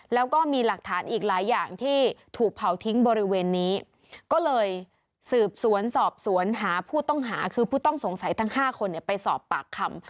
แล้วก็มีหลักฐานอีกหลายอย่างที่ถูกเผาทิ้งบริเวณนี้ก็เลยสืบสวนสอบสวนหาผู้ต้องหาคือผู้ต้องสงสัยทั้ง๕คนไปสอบปากคำ